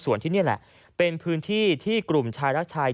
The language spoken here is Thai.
ส่วนที่นี่แหละเป็นพื้นที่ที่กลุ่มชายรักชาย